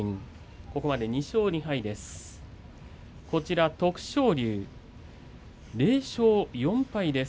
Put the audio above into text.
ここまで２勝２敗です。